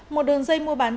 một đường dây mua bán trả lời